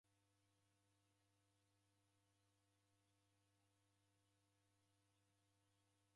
W'andu w'alue w'uda eri w'ipate w'uhuru ghwaw'o.